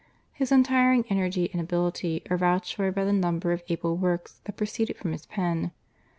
His untiring energy and ability are vouched for by the number of able works that proceeded from his pen.